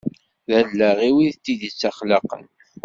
D allaɣ-iw i t-id-ittexlaqen.